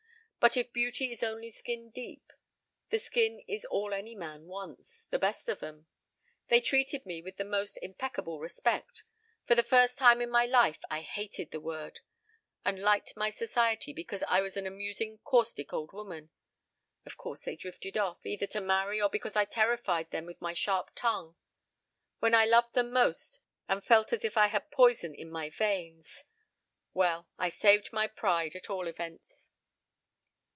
But if beauty is only skin deep the skin is all any man wants, the best of 'em. They treated me with the most impeccable respect for the first time in my life I hated the word and liked my society because I was an amusing caustic old woman. Of course they drifted off, either to marry, or because I terrified them with my sharp tongue: when I loved them most and felt as if I had poison in my veins. Well, I saved my pride, at all events.